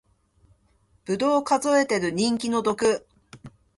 ぶどう数えてる人気の毒